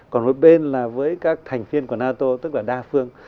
còn một bên là với các thành viên của nato tức là đa phương